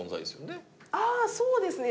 ああそうですね。